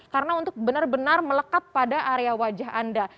karena untuk benar benar melekat pada area wajah anda